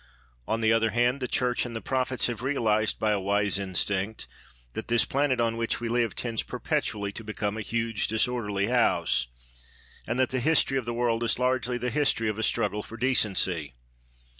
On the other hand, the Church and the prophets have realised by a wise instinct that this planet on which we live tends perpetually to become a huge disorderly house, and that the history of the world is largely the history of a struggle for decency.